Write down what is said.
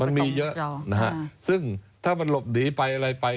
มันมีเยอะนะฮะซึ่งถ้ามันหลบหนีไปอะไรไป